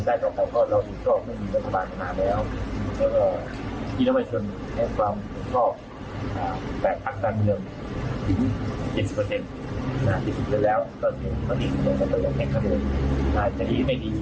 นะครับก็ซีดีบ้างไป